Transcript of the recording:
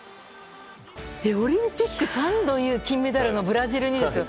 オリンピック３度金メダルのブラジルにですよ。